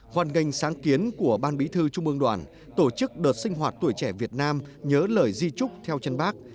hoàn ngành sáng kiến của ban bí thư trung ương đoàn tổ chức đợt sinh hoạt tuổi trẻ việt nam nhớ lời di trúc theo chân bác